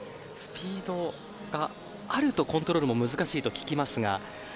スピードがあるとコントロールも難しいと聞きますが。